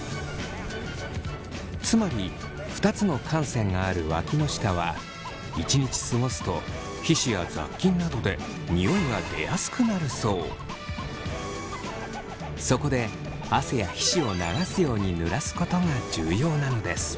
つまり２つの汗腺があるわきの下は一日過ごすと皮脂や雑菌などでそこで汗や皮脂を流すようにぬらすことが重要なのです。